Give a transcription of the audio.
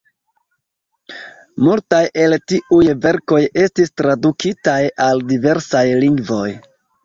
Multaj el tiuj verkoj estis tradukitaj al diversaj lingvoj.